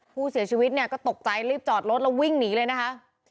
ผู้เสียชีวิตเนี่ยก็ตกใจรีบจอดรถแล้ววิ่งหนีเลยนะคะ